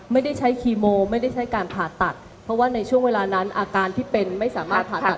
ไม่ได้ใช้คีโมไม่ได้ใช้การผ่าตัดเพราะว่าในช่วงเวลานั้นอาการที่เป็นไม่สามารถผ่าตัด